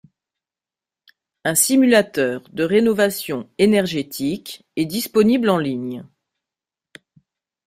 Un simulateur de rénovation énergétique est disponible en ligne.